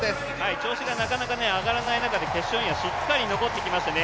調子がなかなか上がらない中で、決勝にはしっかり残ってきましたね。